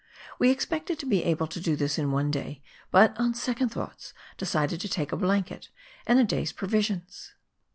We expected to be able to do this in one day, but on second thoughts decided to take a blanket and a day's provisions.